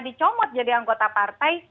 dicomot jadi anggota partai